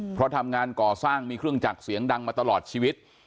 เพราะทำงานก่อสร้างมีเครื่องจักรเสียงดังมาตลอดชีวิต